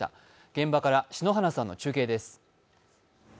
現場から篠原さんの中継です。